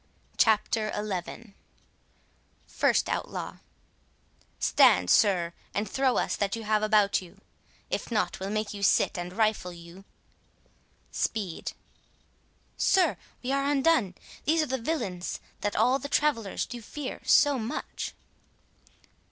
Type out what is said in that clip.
CHAPTER XI 1st Outlaw: Stand, sir, and throw us that you have about you; If not, we'll make you sit, and rifle you. Speed: Sir, we are undone! these are the villains That all the travellers do fear so much.